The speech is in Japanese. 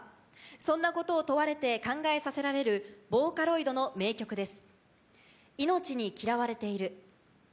そんなことを問われて考えさせられるボーカロイドの名曲です。